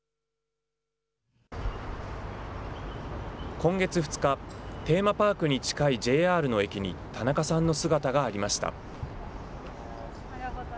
今月２日、テーマパークに近いＪＲの駅に田中さんの姿がありました。